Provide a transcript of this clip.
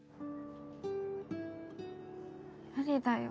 無理だよ